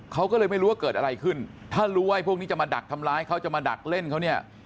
เขาก็เลยไม่รู้ว่าเกิดอะไรขึ้นถ้ารู้ว่าพวกนี้จะมาดักทำร้ายเขาจะมาดักเล่นเขาเนี่ย